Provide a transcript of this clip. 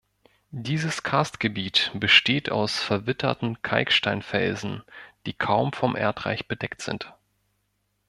Dieses Karstgebiet besteht aus verwitterten Kalksteinfelsen, die kaum vom Erdreich bedeckt sind.